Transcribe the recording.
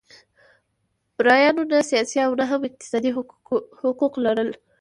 مریانو نه سیاسي او نه هم اقتصادي حقوق لرل.